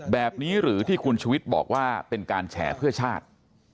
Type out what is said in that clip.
แบบนี้หรือที่คุณชุวิตบอกว่าเป็นการแฉเพื่อชาติ